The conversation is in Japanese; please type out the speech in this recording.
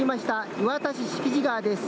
磐田市敷地川です。